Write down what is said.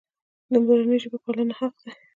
د مورنۍ ژبې پالنه حق دی.